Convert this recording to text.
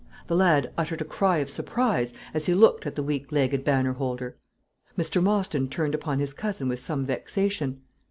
The lad uttered a cry of surprise as he looked at the weak legged banner holder. Mr. Mostyn turned upon his cousin with some vexation.